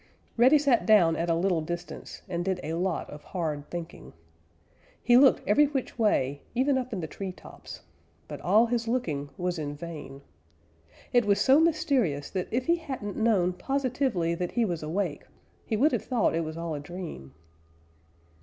Reddy sat down at a little distance and did a lot of hard thinking. He looked every which way even up in the tree tops, but all his looking was in vain. It was so mysterious that if he hadn't known positively that he was awake he would have thought it was all a dream.